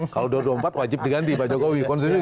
kalau dua ribu dua puluh empat wajib diganti pak jokowi